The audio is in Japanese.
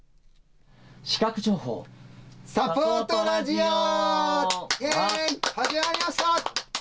視覚情報サポートラジオ！始まりました！